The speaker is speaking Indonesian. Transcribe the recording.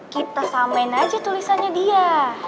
kita sampein aja tulisannya dia